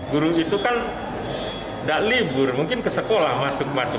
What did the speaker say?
guru itu kan tidak libur mungkin ke sekolah masuk masuk